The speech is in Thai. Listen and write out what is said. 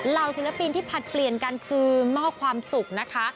ศิลปินที่ผลัดเปลี่ยนกันคือมอบความสุขนะคะ